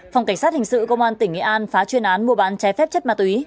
phòng cảnh sát hình sự công an tỉnh nghệ an phá chuyên án mua bán trái phép chất ma túy